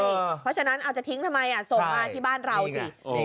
เพราะฉะนั้นเอาจะทิ้งทำไมส่งมาที่บ้านเราสิ